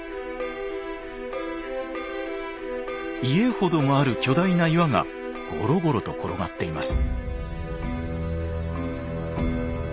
家ほどもある巨大な岩がゴロゴロと転がっています。